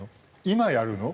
今やるの？